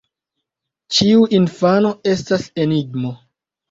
Ĉiu infano estas enigmo.